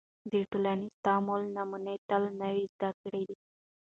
د ټولنیز تعامل نمونې تل نوې زده کړې